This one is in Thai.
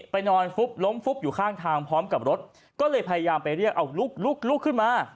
นอนฟุบล้มฟุบอยู่ข้างทางพร้อมกับรถก็เลยพยายามไปเรียกเอาลุกลุกขึ้นมา